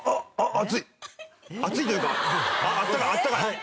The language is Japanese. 熱いというかあったかいあったかい。